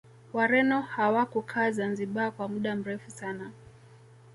Wareno hawakukaa zanzibar kwa muda mrefu sana